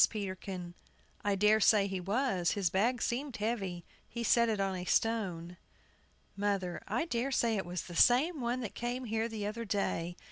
PETERKIN. I dare say he was; his bag seemed heavy. He set it on a stone. MOTHER. I dare say it was the same one that came here the other day.